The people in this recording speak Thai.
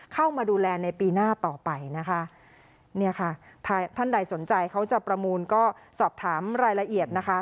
เข้ามาดูแลในปีหน้าต่อไปนะคะเนี่ยค่ะถ้าท่านใดสนใจเขาจะประมูลก็สอบถามรายละเอียดนะคะ